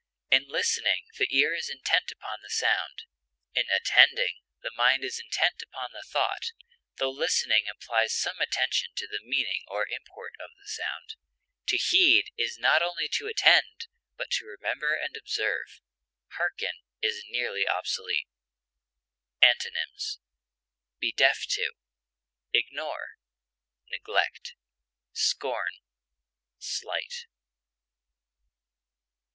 In listening the ear is intent upon the sound; in attending the mind is intent upon the thought, tho listening implies some attention to the meaning or import of the sound. To heed is not only to attend, but to remember and observe. Harken is nearly obsolete. Antonyms: be deaf to, ignore, neglect, scorn, slight.